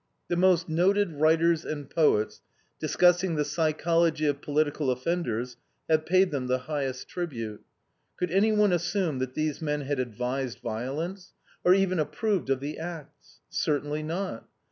The most noted writers and poets, discussing the psychology of political offenders, have paid them the highest tribute. Could anyone assume that these men had advised violence, or even approved of the acts? Certainly not.